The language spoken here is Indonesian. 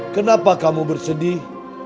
kenapa kamu bersedih